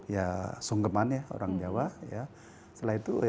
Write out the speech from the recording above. ya songkeman ya orang jawa setelah itu ya